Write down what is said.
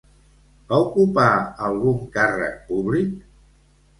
Va ocupar algun càrrec públic?